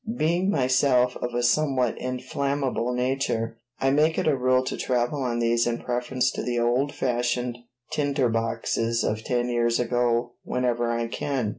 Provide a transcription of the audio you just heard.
Being myself of a somewhat inflammable nature, I make it a rule to travel on these in preference to the old fashioned tinder boxes of ten years ago whenever I can.